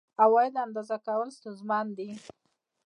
عوایدو اندازه کول ستونزمن دي.